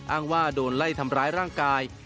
อ้างว่าโดนไล่ทำร้ายร่างกาย